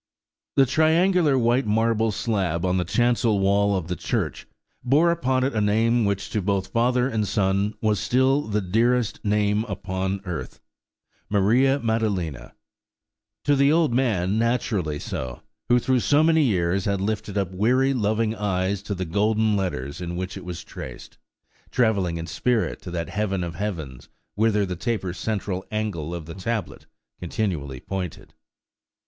The triangular white marble slab on the chancel wall of the church bore upon it a name which to both father and son was still the dearest name upon earth, "Maria Maddalena:"–to the old man naturally so, who through so many years had lifted up weary, loving eyes to the golden letters in which it was traced, travelling in spirit to that heaven of heavens whither the taper central angle of the tablet continually pointed.